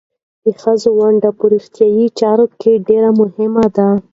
د ښځو ونډه په روغتیايي چارو کې ډېره مهمه ده.